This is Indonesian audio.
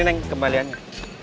ini neng kembaliannya